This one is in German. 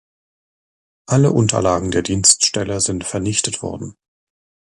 Alle Unterlagen der Dienststelle sind vernichtet worden.